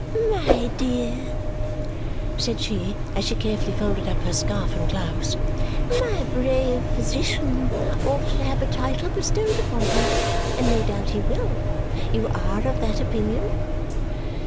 "My dear," said she as she carefully folded up her scarf and gloves, "my brave physician ought to have a title bestowed upon him. And no doubt he will. You are of that opinion?"